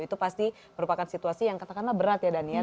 itu pasti merupakan situasi yang katakanlah berat ya daniel